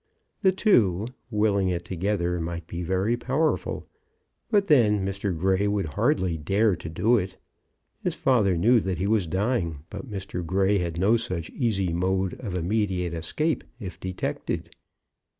The two, willing it together, might be very powerful. But then Mr. Grey would hardly dare to do it. His father knew that he was dying; but Mr. Grey had no such easy mode of immediate escape if detected.